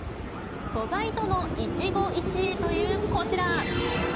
素材との一期一会というこちら。